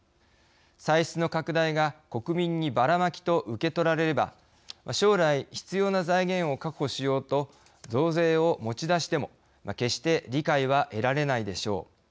歳出の拡大が国民にバラマキと受け取られれば将来、必要な財源を確保しようと増税を持ち出しても決して理解は得られないでしょう。